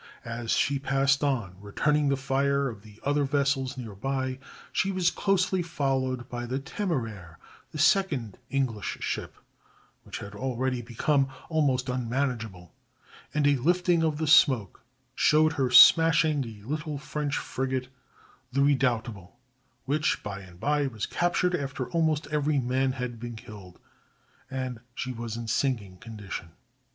As she passed on, returning the fire of the other vessels near by, she was closely followed by the Temeraire, the second English ship, which had already become almost unmanageable; and a lifting of the smoke showed her smashing a little French frigate, the Redoubtable, which, by and by, was captured after almost every man had been killed, and she was in a sinking condition.